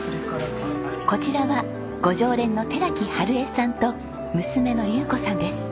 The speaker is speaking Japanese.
こちらはご常連の寺木春江さんと娘の優子さんです。